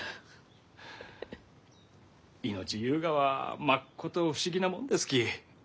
命ゆうがはまっこと不思議なもんですき。